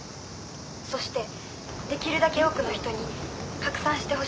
そしてできるだけ多くの人に拡散してほしいのです。